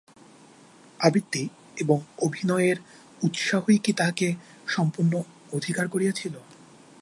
আবৃত্তি ও অভিনয়ের উৎসাহই কি তাহাকে সম্পূর্ণ অধিকার করিয়াছিল?